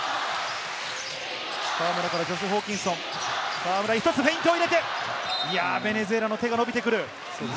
河村からジョシュ・ホーキンソン、河村、１つフェイントを入れて、ベネズエラの手が伸びてくる。